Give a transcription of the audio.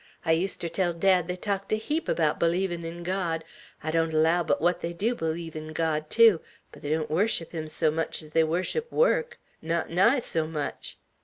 I used ter tell dad they talked a heap about believin' in God; I don't allow but what they dew believe in God, tew, but they don't worship Him so much's they worship work; not nigh so much.